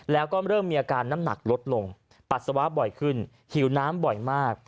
แล้วก็เริ่มมีอาการน้ำหนักลดลงปัสสาวะบ่อยขึ้นหิวน้ำบ่อยมาก